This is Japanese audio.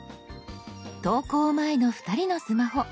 投稿前の２人のスマホ。